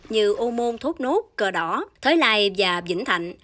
như ô môn thốt nốt cờ đỏ thới lai và vĩnh thạnh